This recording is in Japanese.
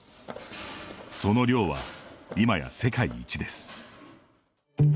その量は今や世界一です。